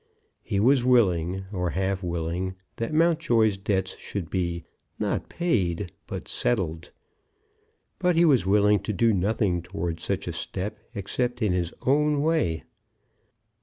He was willing, or half willing, that Mountjoy's debts should be, not paid, but settled. But he was willing to do nothing toward such a step except in his own way.